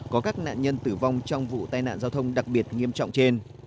có các nạn nhân tử vong trong vụ tai nạn giao thông đặc biệt nghiêm trọng trên